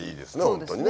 本当にね。